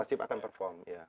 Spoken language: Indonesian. pasti akan perform ya